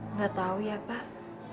nggak tahu ya pak